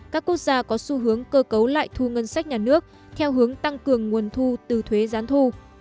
các quốc gia có xu hướng cơ cấu lại thu ngân sách nhà nước theo hướng tăng cường nguồn thu từ thuế gián thu